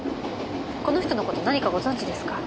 この人の事何かご存じですか？